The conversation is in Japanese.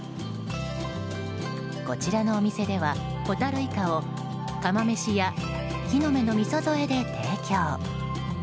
こちらのお店では、ホタルイカを釜飯や木の芽のみそ添えで提供。